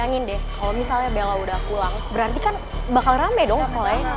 angin deh kalau misalnya bella udah pulang berarti kan bakal rame dong sekolahnya